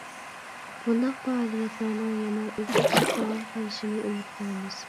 بۇنداق پائالىيەتلەرنىڭ يەنە ئۆزلۈكسىز داۋام قىلىشىنى ئۈمىد قىلىمىز.